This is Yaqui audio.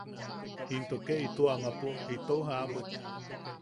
Into ke ito amapo itou jaʼabwek.